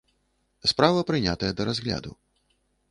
Справа прынятая да разгляду.